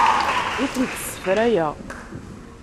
Ur tent-ssefrayeɣ.